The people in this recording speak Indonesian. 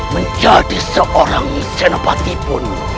menjadi seorang senopati pun